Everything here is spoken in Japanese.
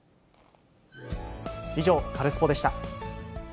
以上、カルスポっ！でした。